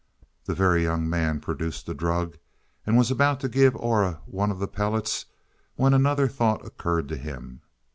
The Very Young Man produced the drug and was about to give Aura one of the pellets when another thought occurred to him.